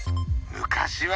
「昔は！